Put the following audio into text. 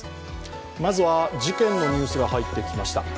まずは事件のニュースが入ってきました。